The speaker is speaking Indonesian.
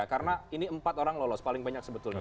karena ini empat orang lolos paling banyak sebetulnya